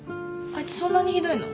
あいつそんなにひどいの？